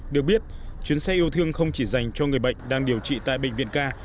được biết chuyến xe yêu thương không chỉ dành cho người bệnh đang điều trị tại bệnh viện ca